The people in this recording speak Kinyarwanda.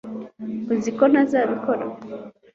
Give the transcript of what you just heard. uzi ko ntazabikora